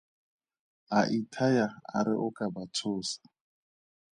A ithaya a re o ka ba tshosa.